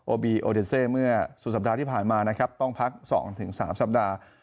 บีโอเดเซเมื่อสุดสัปดาห์ที่ผ่านมานะครับต้องพัก๒๓สัปดาห์